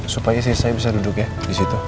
supaya istri saya bisa duduk ya disitu